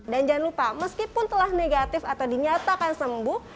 dan jangan lupa meskipun telah negatif atau dinyatakan sembuh